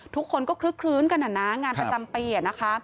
ทุกคนก็คลึกกันนะงานประจำเปลี่ยน